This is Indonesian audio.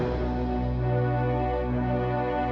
merebutkan masalah test dna itu